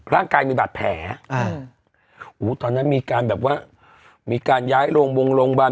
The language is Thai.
ร่างกายมีบาดแผลอ่าหูตอนนั้นมีการแบบว่ามีการย้ายโรงวงโรงพยาบาล